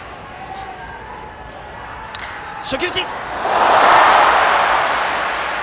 初球打ち！